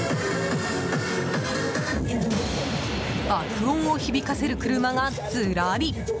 爆音を響かせる車がずらり。